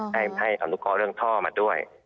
ได้อนุกอเรื่องท่อมาด้วย